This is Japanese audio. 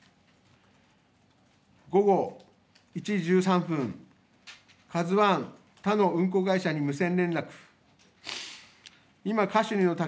午後１時１３分、ＫＡＺＵＩ、他の運行会社に無線連絡。